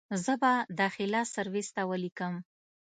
زه به داخله سرويس ته وليکم.